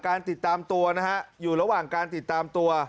ติดตามตัวนะฮะอยู่ระหว่างการติดตามตัว